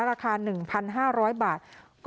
ราคา๑๕๐๐บาท